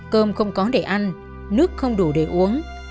cơm không có để ăn nước không đủ để uống